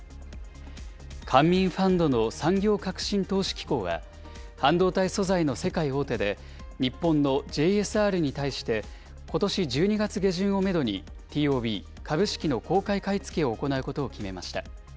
官民ファンドの産業革新投資機構は、半導体素材の世界大手で日本のＪＳＲに対して、ことし１２月下旬をメドに、ＴＯＢ・株式の公開買い付けを行うことを決めました。